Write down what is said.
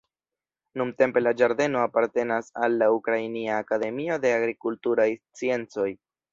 Nuntempe la ĝardeno apartenas al la Ukrainia Akademio de Agrikulturaj Sciencoj.